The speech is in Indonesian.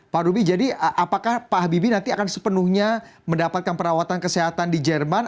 pak rubi jadi apakah pak habibie nanti akan sepenuhnya mendapatkan perawatan kesehatan di jerman